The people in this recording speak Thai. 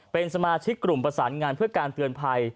เป็นสมาชิกกลุ่มประสานงานเพื่อการเตือนภัย